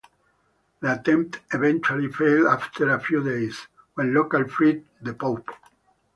The attempt eventually failed after a few days, when locals freed the Pope.